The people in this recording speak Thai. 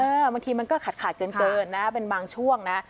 บางทีมันก็ขาดขาดเกินนะเป็นบางช่วงนะ